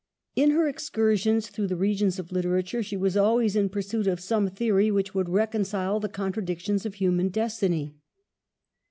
In her excursions through the regions of literature, she was always ' in pursuit of some theory which would reconcile the contradictions of human destiny.